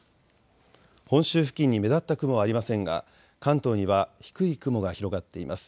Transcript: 本州付近に目立った雲はありませんが、関東には低い雲が広がっています。